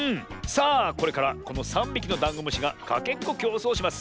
さあこれからこの３びきのダンゴムシがかけっこきょうそうをします。